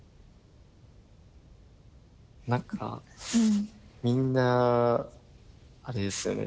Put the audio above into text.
何かみんなあれですよね